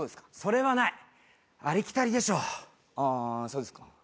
そうですか。